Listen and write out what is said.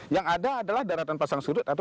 yang ada adalah daratan pasang surut